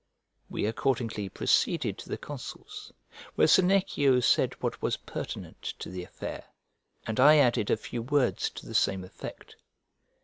We accordingly proceeded to the consuls, where Senecio said what was pertinent to the affair, and I added a few words to the same effect.